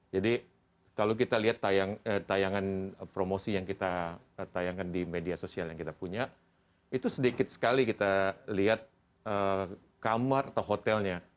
jadi kalau kita lihat tayangan promosi yang kita tayangkan di media sosial yang kita punya itu sedikit sekali kita lihat kamar atau hotelnya